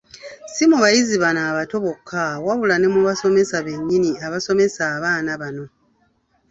Ssi mu bayizi bano abato bokka wabula ne mu basomesa bennyini abasomesa abaana bano.